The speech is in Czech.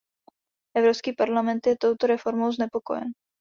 Evropský parlament je touto reformou znepokojen.